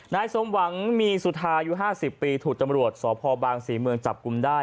นายสมหวังมีสุธายุ๕๐ปีถูกตำรวจสพบางศรีเมืองจับกลุ่มได้